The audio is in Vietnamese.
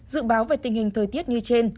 dự báo về tình hình thời tiết như trên